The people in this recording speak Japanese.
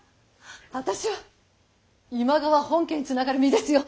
私は今川本家につながる身ですよ！